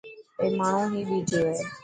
اي ماڻهو هي ٻيجو هي.